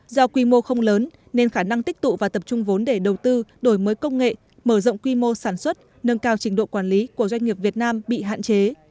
do quy mô không lớn nên khả năng tích tụ và tập trung vốn để đầu tư đổi mới công nghệ mở rộng quy mô sản xuất nâng cao trình độ quản lý của doanh nghiệp việt nam bị hạn chế